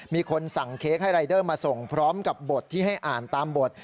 มีคนสั่งเค้กให้รายเดอร์มาส่งพร้อมกับบทที่ให้อ่านตามบท